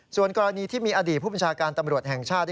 ส่วนกรณีที่มีอดีตผู้บัญชาการตำรวจแห่งชาติ